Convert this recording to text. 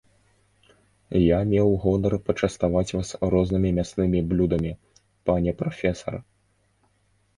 Я меў гонар пачаставаць вас рознымі мяснымі блюдамі, пане прафесар.